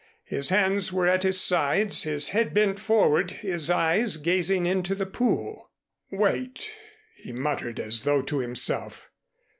His hands were at his sides, his head bent forward, his eyes gazing into the pool. "Wait " he muttered, as though to himself.